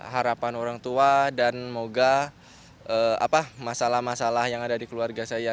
harapan orang tua dan semoga masalah masalah yang ada di keluarga saya